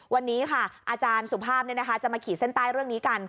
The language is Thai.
วันนี้ค่ะอาจารย์สุภาพจะมาขีดเส้นใต้เรื่องนี้กัน